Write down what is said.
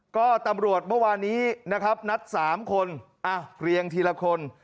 ก็ตำรวจเมื่อวานนี้นะครับนัด๓คนเรียงทีละคน